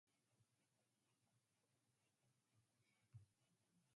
A Gurdwara may also have a library, nursery, and classroom.